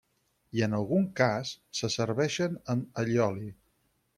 I en algun cas, se serveixen amb allioli.